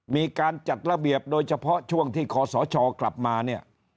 มีการจัดระเบียบโดยเฉพาะช่วงที่ขอสชกลับมาเนี่ย